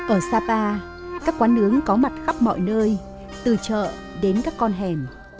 ở sapa các quán nướng có mặt khắp mọi nơi từ chợ đến các con hẻm